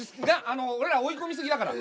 俺ら追い込み過ぎだから。